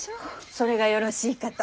それがよろしいかと。